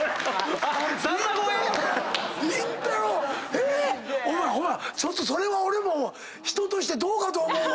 へっ⁉お前ちょっとそれは俺も人としてどうかと思うわ。